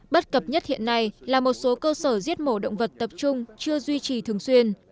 bất cập nhất hiện nay là một số cơ sở giết mổ động vật tập trung chưa duy trì thường xuyên